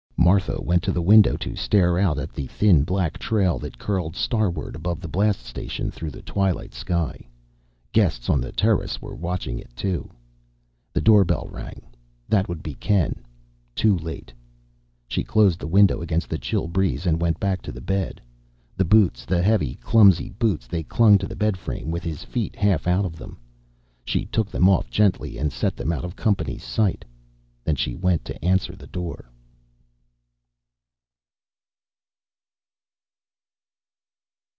Martha went to the window to stare out at the thin black trail that curled starward above the blast station through the twilight sky. Guests on the terrace were watching it too. The doorbell rang. That would be Ken, too late. She closed the window against the chill breeze, and went back to the bed. The boots, the heavy, clumsy boots they clung to the bedframe, with his feet half out of them. She took them off gently and set them out of company's sight. Then she went to answer the door.